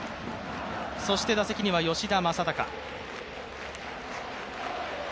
そして打席には吉田正尚。